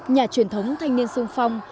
nhà truyền thống thanh niên xu phong